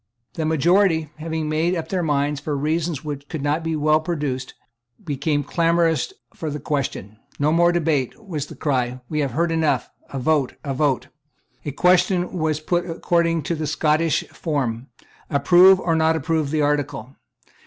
The majority, having made up their minds for reasons which could not well be produced, became clamorous for the question. "No more debate," was the cry: "We have heard enough: a vote! a vote!" The question was put according to the Scottish form, "Approve or not approve the article?"